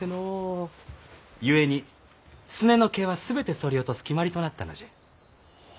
ゆえにすねの毛は全てそり落とす決まりとなったのじゃ。